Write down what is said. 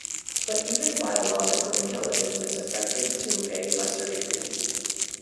But even biological intelligence is affected to a lesser degree.